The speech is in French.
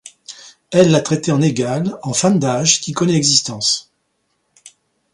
Elle la traitait en égale, en femme d'âge, qui connaît l'existence.